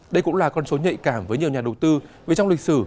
đây cũng là con số nhạy cảm với nhiều nhà đầu tư vì trong lịch sử